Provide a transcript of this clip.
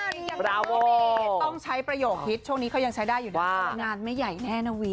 มีแต่ก่อนนี้ต้องใช้ประโยชน์ฮิตว่านานไม่ใหญ่แน่ละวิ